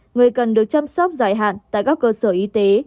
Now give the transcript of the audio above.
người cần được chăm sóc dài hạn tại các cơ sở y tế